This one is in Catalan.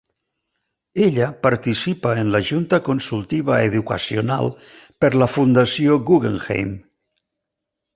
Ella participa en la Junta Consultiva educacional per la Fundació Guggenheim.